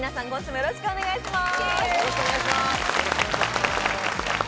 よろしくお願いします。